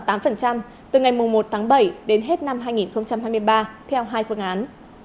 từ ngày một tháng bảy đến hết năm hai nghìn hai mươi ba theo hai phương án